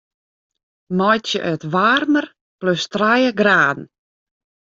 Meitsje it waarmer plus trije graden.